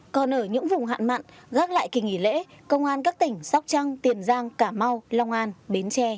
còn ở những vùng hạn mặn gác lại kỳ nghỉ lễ công an các tỉnh sóc trăng tiền giang cả mau long an bến tre